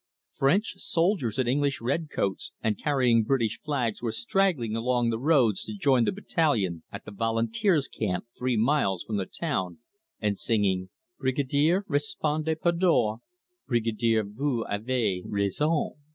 French soldiers in English red coats and carrying British flags were straggling along the roads to join the battalion at the volunteers' camp three miles from the town, and singing: "Brigadier, respondez Pandore Brigadier, vous avez raison."